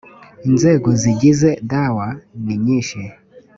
inzego zigize dawa ni nyinshi